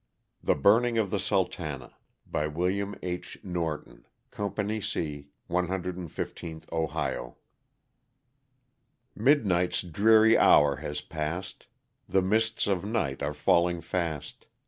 The Burnina: of the Snltaim. By Wm. H. Norton, Company C, 115th Ohio. Midnight's dreary hour has past, The mists of night are falling fast.